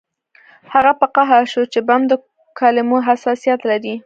هغه په قهر شو چې بم د کلمو حساسیت لري